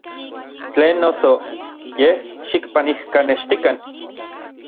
Tlen noso, yej xikpanijkanextikan.